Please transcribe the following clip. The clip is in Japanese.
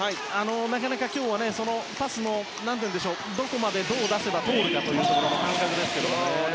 なかなか今日はパスもどこまで、どう出せば通るかという感覚ですけども。